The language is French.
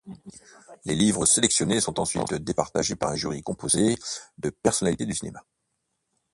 Les livres sélectionnés sont ensuite départagés par un jury composé de personnalité du cinéma.